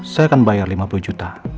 saya akan bayar lima puluh juta